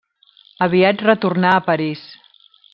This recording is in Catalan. Aviat retornà a París.